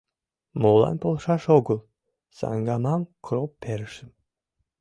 Молан полшаш огыл?» — саҥгамым кроп перышым.